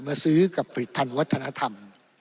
มาซื้อกับผลิตภัณฑ์วัฒนธรรม